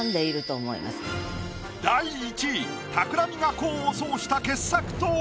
第１位たくらみが功を奏した傑作とは？